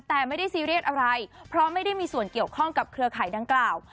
แต่ไม่ได้ซีเรียสอะไรเพราะไม่ได้มีส่วนเกี่ยวข้องกับเครือข่ายดังกล่าว